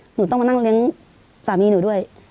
หนูต้องมานั่งเลี้ยงสามีหนูด้วย